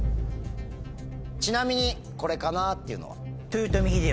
ちなみにこれかなっていうのは？